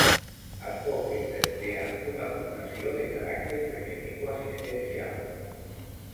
Advoque per crear una fundació de caràcter beneficoassistencial.